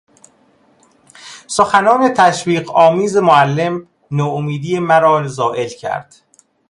سخنان تشویق آمیز معلم نومیدی مرا زائل کرد.